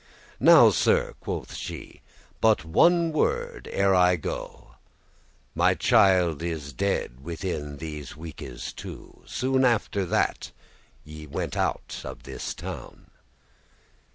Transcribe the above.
"Now, Sir," quoth she, "but one word ere I go; My child is dead within these weeke's two, Soon after that ye went out of this town."